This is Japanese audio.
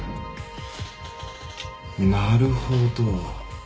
なるほど。